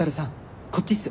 こっちっす。